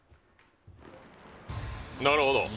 なるほど。